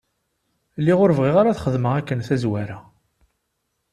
Lliɣ ur bɣiɣ ara ad xedmeɣ akken tazwara.